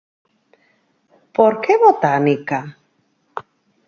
Por que Botánica?